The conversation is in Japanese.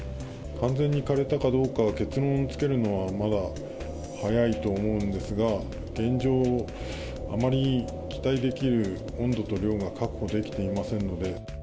完全にかれたかどうか、結論づけるのはまだ早いと思うんですが、現状、あまり期待できる温度と量が確保できていませんので。